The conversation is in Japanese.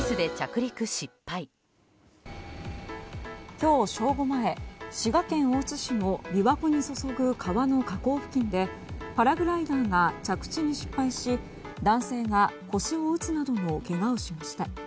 今日正午前滋賀県大津市の琵琶湖に注ぐ川の河口付近でパラグライダーが着地に失敗し男性が腰を打つなどのけがをしました。